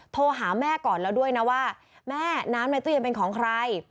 โทรหาแม่ก่อนแล้วด้วยนะว่าแม่น้ำในตู้เย็นเป็นของใคร